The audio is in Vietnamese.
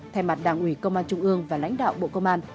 thay mặt đảng ủy công an trung ương và lãnh đạo bộ công an